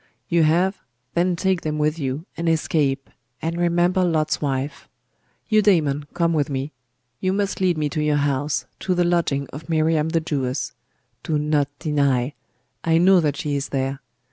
'You have? Then take them with you, and escape, and remember Lot's wife. Eudaimon, come with me. You must lead me to your house, to the lodging of Miriam the Jewess. Do not deny! I know that she is there.